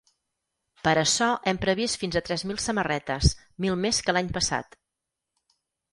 Per açò hem previst fins a tres mil samarretes, mil més que l’any passat.